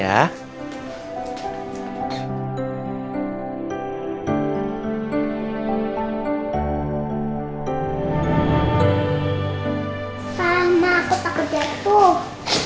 mama aku takut jatuh